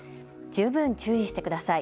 十分注意して下さい。